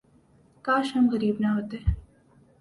کاش ہم غریب نہ ہوتے